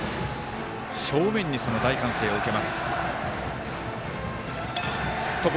正面にその大歓声を受けます。